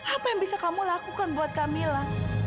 apa yang bisa kamu lakukan buat kamila